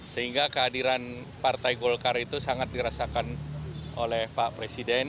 sehingga kehadiran partai golkar itu sangat dirasakan oleh pak presiden